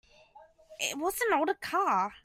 It was an old car.